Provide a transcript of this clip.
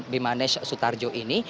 bimanes sutarjo ini